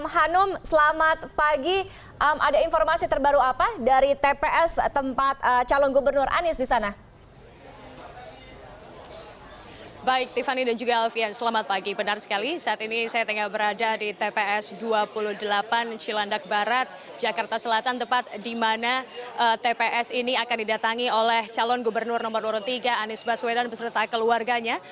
hanum selamat pagi ada informasi terbaru apa dari tps tempat calon gubernur anies di sana